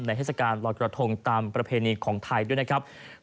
เทศกาลลอยกระทงตามประเพณีของไทยด้วยนะครับ